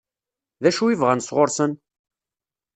D acu i bɣan sɣur-sen?